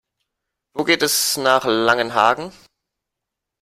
Wo geht es nach Langenhagen?